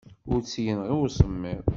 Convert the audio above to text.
Ur tt-yenɣi usemmiḍ.